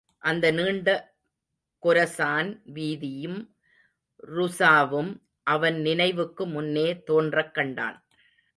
அந்த நீண்ட கொரசான் வீதியும், ருஸாவும் அவன் நினைவுக்கு முன்னே தோன்றக் கண்டான்.